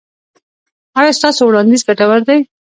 ایا ستاسو وړاندیز ګټور دی؟